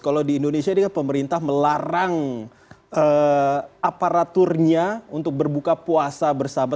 kalau di indonesia ini kan pemerintah melarang aparaturnya untuk berbuka puasa bersama